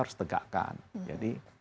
harus tegakkan jadi